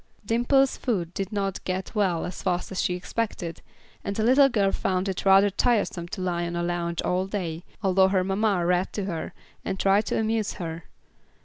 Dimple's foot did not get well as fast as she expected, and the little girl found it rather tiresome to lie on a lounge all day, although her mamma read to her, and tried to amuse her.